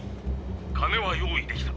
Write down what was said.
金は用意できた。